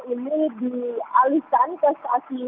ini dialihkan ke stasiun